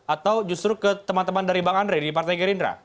atau justru ke teman teman dari bang andre di partai gerindra